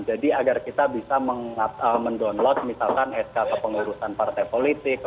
jadi agar kita bisa mendownload misalkan skk pengurusan partai politik